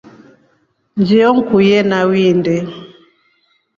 Njio nikuye nawinde.